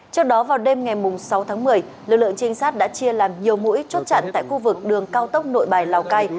trước đó vào đêm ngày sáu tháng một mươi lực lượng trinh sát đã chia làm nhiều mũi chốt chặn tại khu vực đường cao tốc nội bài lào cai